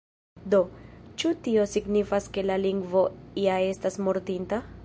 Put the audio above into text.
Do, ĉu tio signifas ke la lingvo ja estas mortinta?